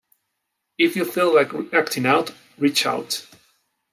If you feel like acting out, reach out.